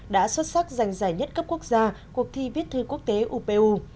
đã xuất sắc giành giải nhất cấp quốc gia cuộc thi viết thư quốc tế upu